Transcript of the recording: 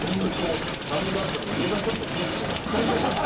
あら俺酸味があったのは梅がちょっとついてたから。